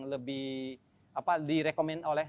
lebih direkomendasi oleh